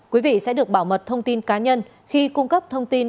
quý vị sẽ được bảo mật thông tin cá nhân khi cung cấp thông tin